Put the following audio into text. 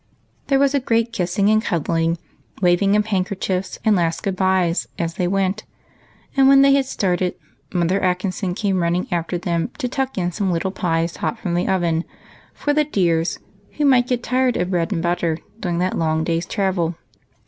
There was a great kissing and cuddling, waving of handkerchiefs, and last good bys, as they went; and when they had started. Mother Atkinson came running after them, to tuck in some little pies, hot from the oven, " for the dears, who might get tired of bread and butter during that long day's travel."